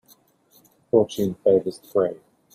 Fortune favours the brave.